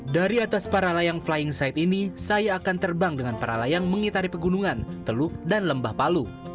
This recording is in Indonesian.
dari atas para layang flying side ini saya akan terbang dengan para layang mengitari pegunungan teluk dan lembah palu